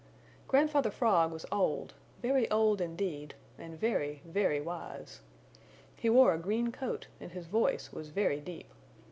Grandfather Frog was old, very old, indeed, and very, very wise. He wore a green coat and his voice was very deep.